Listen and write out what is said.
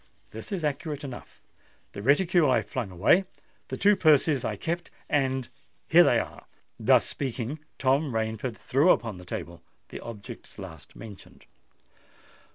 _' This is accurate enough. The reticule I flung away: the two purses I kept—and here they are." Thus speaking, Tom Rainford threw upon the table the objects last mentioned.